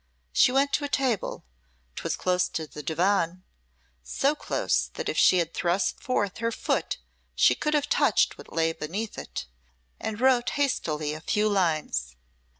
She went to a table 'twas close to the divan, so close that if she had thrust forth her foot she could have touched what lay beneath it and wrote hastily a few lines.